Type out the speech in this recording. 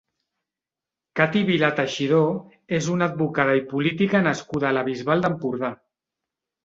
Cati Vilà Teixidor és una advocada i política nascuda a la Bisbal d'Empordà.